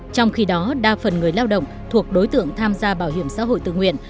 trong khi đó đa phần người lao động thuộc đối tượng tham gia bảo hiểm xã hội tự nguyện